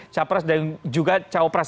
capres dan juga cawapres